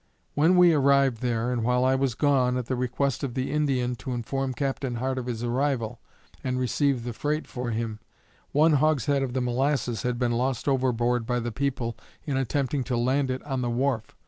When we arrived there, and while I was gone, at the request of the Indian, to inform Captain Hart of his arrival, and receive the freight for him, one hogshead of the molasses had been lost overboard by the people in attempting to land it on the wharf.